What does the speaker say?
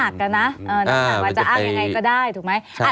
เออน้ำหนักว่าจะอ้างยังไงก็ได้ถูกไหม